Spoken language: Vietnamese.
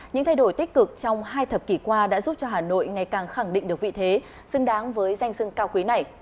những thay đổi tích cực trong hai thập kỷ qua đã giúp cho hà nội ngày càng khẳng định được vị thế xứng đáng với danh sưng cao quý này